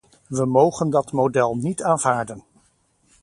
We mogen dat model niet aanvaarden.